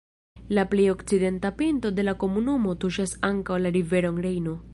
La plej okcidenta pinto de la komunumo tuŝas ankaŭ la riveron Rejno.